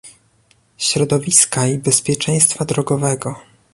środowiska i bezpieczeństwa drogowego